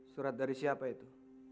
surat dari siapa itu